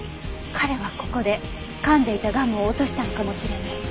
彼はここで噛んでいたガムを落としたのかもしれない。